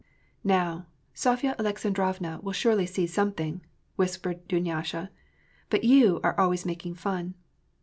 "Now, Sofya Aleksandrovna will surely see something," whispered Dunyasha. " But you are always making fun."